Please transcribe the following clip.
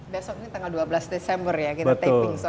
besok ini tanggal dua belas desember ya kita taping soalnya